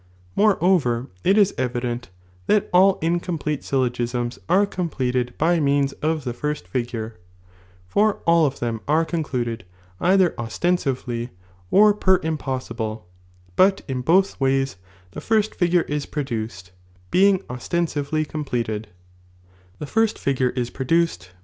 Moreover it is evident that all incomplete syllogismfl are completed by means of the first figure, for all of them are concluded, either ostensively or per impossibile, but in both ways the fi, rst figure is produced : being osten sively" completed, (the first figure is produced,) runuu t.